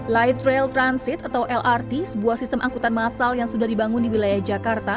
light rail transit atau lrt sebuah sistem angkutan masal yang sudah dibangun di wilayah jakarta